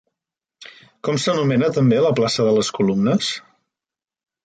Com s'anomena també la plaça de les Columnes?